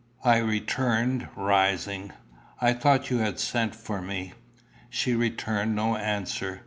I returned, rising. "I thought you had sent for me." She returned no answer.